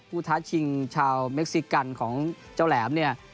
ท้าชิงชาวเม็กซิกันของเจ้าแหลมเนี่ย